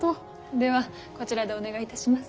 ではこちらでお願いいたします。